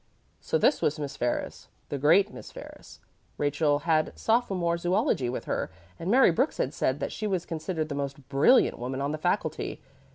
So this was Miss Ferris the great Miss Ferris. Rachel had sophomore zoology with her and Mary Brooks had said that she was considered the most brilliant woman on the faculty.